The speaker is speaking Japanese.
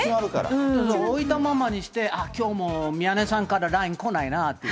置いたままにして、あ、きょうも宮根さんからＬＩＮＥ来ないなっていう。